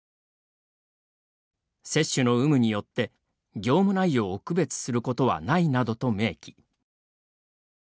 接種の有無によって業務内容を区別することはないなどと明記。